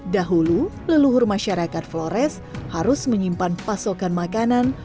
dahulu leluhur masyarakat flores harus menyimpan pasokan makanan